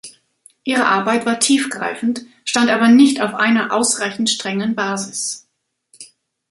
Ihre Arbeit war tiefgreifend, stand aber nicht auf einer ausreichend strengen Basis.